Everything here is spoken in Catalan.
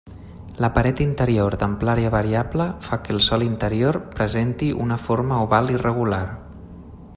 La paret interior, d'amplària variable, fa que el sòl interior presente una forma oval irregular.